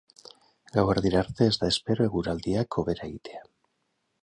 Gauerdira arte ez da espero eguraldiak hobera egitea.